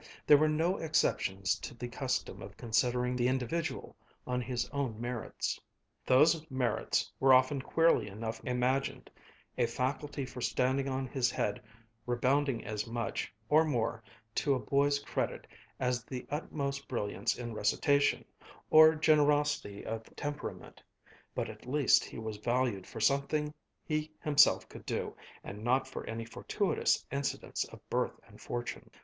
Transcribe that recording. There were no exceptions to the custom of considering the individual on his own merits. These merits were often queerly enough imagined, a faculty for standing on his head redounding as much, or more, to a boy's credit as the utmost brilliance in recitation, or generosity of temperament, but at least he was valued for something he himself could do, and not for any fortuitous incidents of birth and fortune.